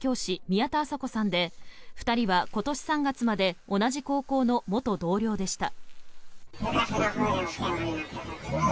宮田麻子さんで２人は今年３月まで同じ高校の元同僚でした。